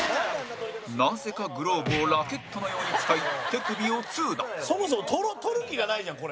なぜか、グローブをラケットのように使い手首を痛打山崎：そもそも捕る気がないじゃん、これ。